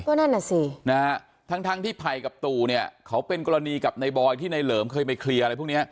ก็นั่นน่ะสินะฮะทั้งทั้งที่ไผ่กับตู่เนี่ยเขาเป็นกรณีกับในบอยที่ในเหลิมเคยไปเคลียร์อะไรพวกนี้